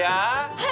はい。